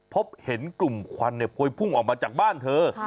พบเห็นกลุ่มควันพวยพุ่งออกมาจากบ้านเธอ